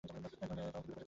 তাও ওকে দূরে পাঠাতে চাই।